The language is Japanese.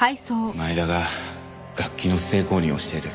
前田が楽器の不正購入をしている。